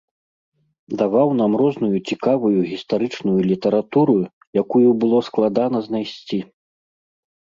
Даваў нам розную цікавую гістарычную літаратуру, якую было складана знайсці.